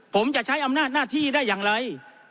ผมจะใช้อำนาจหน้าที่ได้อย่างไร